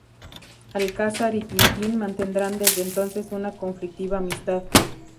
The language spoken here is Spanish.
Alcázar y Tintín mantendrán desde entonces una conflictiva amistad.